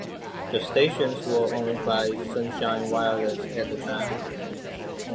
The stations were owned by Sunshine Wireless at the time.